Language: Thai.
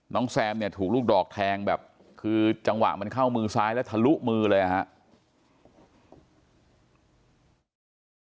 แซมเนี่ยถูกลูกดอกแทงแบบคือจังหวะมันเข้ามือซ้ายแล้วทะลุมือเลยนะครับ